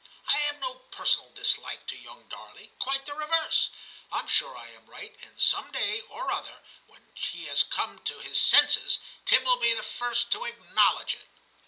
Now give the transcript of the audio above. I have no per sonal dislike to young Darley ; quite the reverse. I am sure I am right, and some day or other, when he has come to his senses, Tim will be the first to acknow ledge it.'